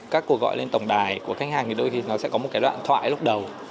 các cuộc gọi lên tổng đài của khách hàng đôi khi sẽ có một đoạn thoại lúc đầu